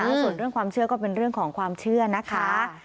ส่วนเรื่องความเชื่อก็เป็นเรื่องของความเชื่อนะคะ